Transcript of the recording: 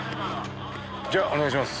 じゃお願いします。